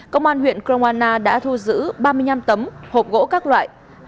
công an huyện kroana đã thu giữ ba mươi năm tấm hộp gỗ các loại